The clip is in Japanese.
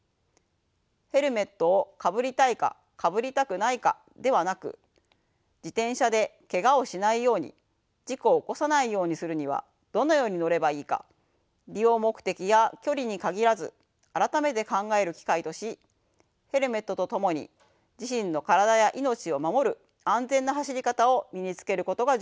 ヘルメットをかぶりたいかかぶりたくないかではなく自転車でけがをしないように事故を起こさないようにするにはどのように乗ればいいか利用目的や距離に限らず改めて考える機会としヘルメットと共に自身の体や命を守る安全な走り方を身につけることが重要です。